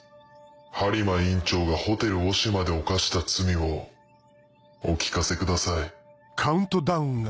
播磨院長がホテルオシマで犯した罪をお聞かせください。